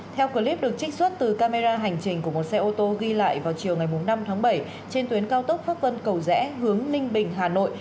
theo clip được trích xuất từ camera hành trình của một xe ô tô ghi lại vào chiều ngày năm tháng bảy trên tuyến cao tốc pháp vân cầu rẽ hướng ninh bình hà nội